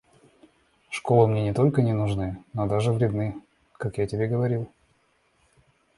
Школы мне не только не нужны, но даже вредны, как я тебе говорил.